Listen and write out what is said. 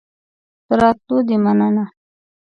د راتلو دي مننه